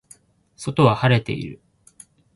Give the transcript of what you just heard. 外は晴れている